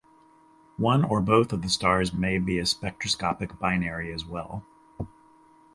One or both of the stars may be a spectroscopic binary as well.